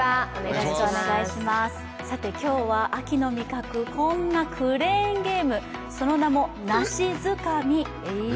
今日は秋の味覚、こんなクレーンゲーム、その名も梨つかみ。